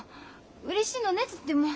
うれしいのねとっても。